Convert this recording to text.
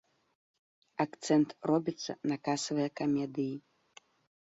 Акцэнт робіцца на касавыя камедыі.